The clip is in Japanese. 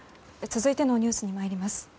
続いてのニュースに参ります。